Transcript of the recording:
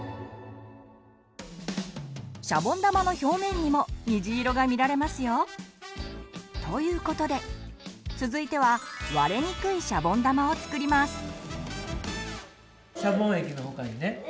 シャボン玉の表面にも虹色が見られますよ！ということで続いては割れにくいシャボン玉を作ります。